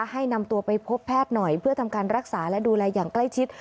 ให้นำตัวไปพบแพทย์หน่อยเพื่อทำการรักษาและดูแลอย่างใกล้ชิด